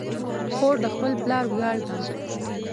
خور د خپل پلار ویاړ ده.